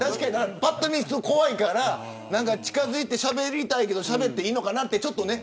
ぱっと見怖いから近づいてしゃべりたいけどしゃべっていいのかな、とかね。